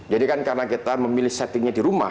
jadi kan karena kita memilih settingnya di rumah